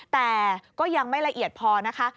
แต่ก็ยังไม่ละเอียดพอนะคะ